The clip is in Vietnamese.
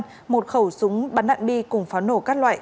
một khẩu súng bắn đạn bi cùng pháo nổ các loại